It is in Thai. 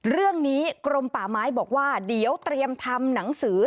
เรื่องนี้กรมป่าไม้บอกว่าเดี๋ยวเตรียมทำหนังสือ